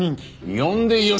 呼んでよし！